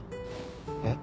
えっ？